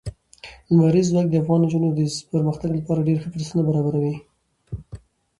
لمریز ځواک د افغان نجونو د پرمختګ لپاره ډېر ښه فرصتونه برابروي.